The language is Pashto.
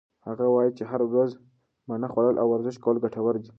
هغه وایي چې هره ورځ مڼه خوړل او ورزش کول ګټور دي.